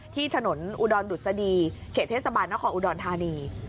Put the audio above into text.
ที่ถนนอุดรดุษฎีเขตเทศบาลนครอุดรธานี